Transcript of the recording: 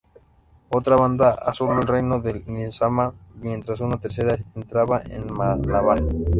Otra banda asoló el reino del nizam mientras una tercera entraba en Malabar.